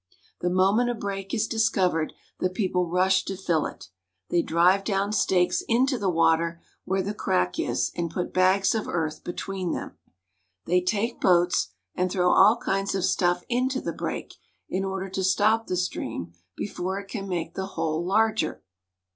The moment a break is discovered the people rush to fill it. They drive down stakes into the water where the crack is, and put bags of earth between them. They take boats, and throw all kinds of stuff into the break, in order to stop the stream before it can make the hole larger.